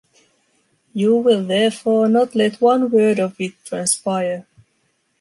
You will therefore not let one word of it transpire.